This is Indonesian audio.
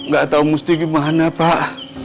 gak tau musti gimana pak